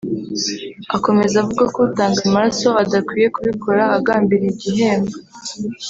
Akomeza avuga ko utanga amaraso adakwiriye kubikora agambiriye igihembo